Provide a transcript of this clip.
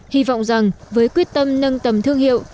hy vọng rằng với quyết tâm nâng tầm thương hiệu